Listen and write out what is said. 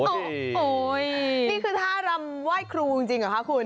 นี่คือท่ารำไหว้ครูจริงหรือคะคุณ